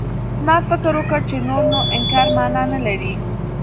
ما فکر وکړ چې نور نو انکار مانا نه لري.